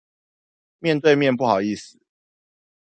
面對面不好意思